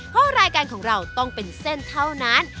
เพราะรายการของเราต้องเป็นเส้นเท่านั้น